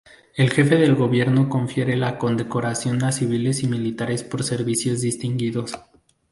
El Jefe del Gobierno confiere la condecoración a civiles y militares por servicios distinguidos.